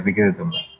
tapi gitu teman teman